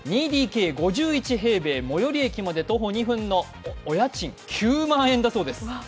２ＤＫ５１平米、最寄り駅まで徒歩２分の、お家賃９万円だそうです。